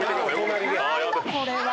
これは。